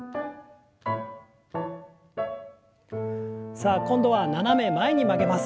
さあ今度は斜め前に曲げます。